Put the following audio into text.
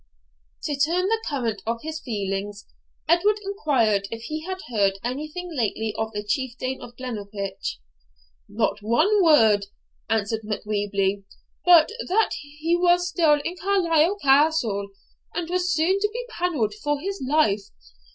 To turn the current of his feelings, Edward inquired if he had heard anything lately of the Chieftain of Glennaquoich. 'Not one word,' answered Macwheeble, 'but that he was still in Carlisle Castle, and was soon to be panelled for his life.